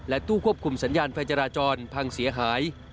ตู้ควบคุมสัญญาณไฟจราจรพังเสียหาย